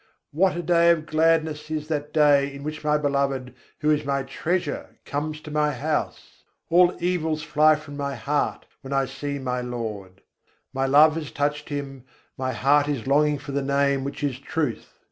What a day of gladness is that day in which my Beloved, who is my treasure, comes to my house! All evils fly from my heart when I see my Lord. "My love has touched Him; my heart is longing for the Name which is Truth."